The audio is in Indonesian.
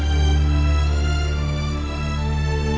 aku mau ke sana